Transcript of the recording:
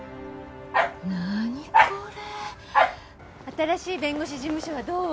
新しい弁護士事務所はどう？